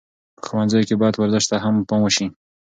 په ښوونځیو کې باید ورزش ته هم پام وسي.